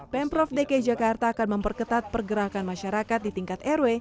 pemprov dki jakarta akan memperketat pergerakan masyarakat di tingkat rw